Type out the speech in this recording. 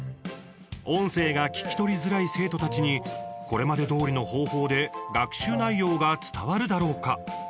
音声が聞き取りづらい生徒たちにこれまでどおりの方法で学習内容が伝わるだろうか？